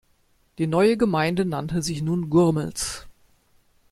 Die neue Gemeinde nannte sich nun Gurmels.